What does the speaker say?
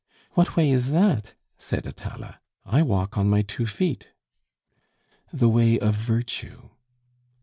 "What way is that?" said Atala; "I walk on my two feet." "The way of virtue."